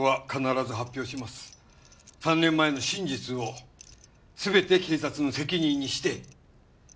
３年前の真実を全て警察の責任にして。